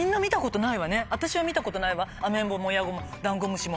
私は見たことないわアメンボもヤゴもダンゴムシも。